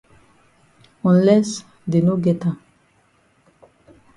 Unless dey no get am.